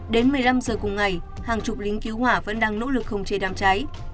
đến một mươi năm giờ cùng ngày hàng chục lính cứu hỏa vẫn đang nỗ lực khống chế đám cháy